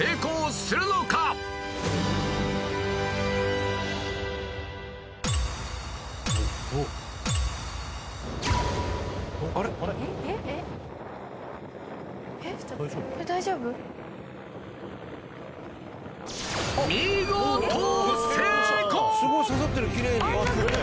すごい！刺さってるきれいに。